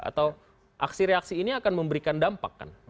atau aksi reaksi ini akan memberikan dampak kan